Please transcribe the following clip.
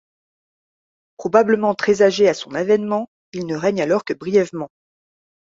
Probablement très âgé à son avènement, il ne règne alors que brièvement.